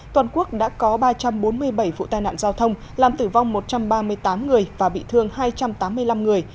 toàn quốc đã có ba trăm bốn mươi bảy vụ tai nạn giao thông làm tử vong một trăm ba mươi tám người và bị thương hai trăm tám mươi năm người